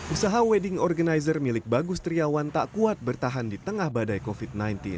usaha wedding organizer milik bagus triawan tak kuat bertahan di tengah badai covid sembilan belas